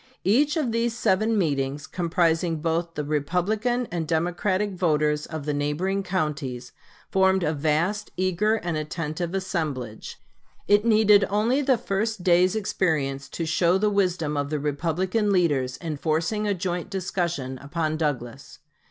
Each of these seven meetings, comprising both the Republican and Democratic voters of the neighboring counties, formed a vast, eager, and attentive assemblage. It needed only the first day's experience to show the wisdom of the Republican leaders in forcing a joint discussion upon Douglas.